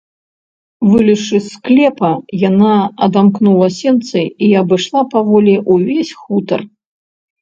Вылезшы з склепа, яна адамкнула сенцы і абышла паволі ўвесь хутар.